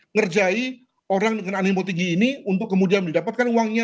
ngerjai orang dengan animo tinggi ini untuk kemudian didapatkan uangnya